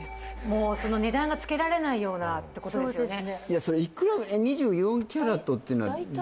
もう値段がつけられないようなってことですよね